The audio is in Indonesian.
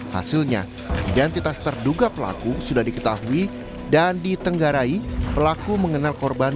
hasilnya identitas terduga pelaku sudah diketahui dan ditenggarai pelaku mengenal korban